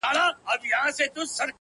د ښكلي سولي يوه غوښتنه وكړو؛